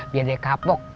biar dia kapok